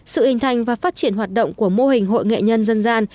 sự hình thành và phát triển hoạt động của mô hình hội nghệ nhân dân gian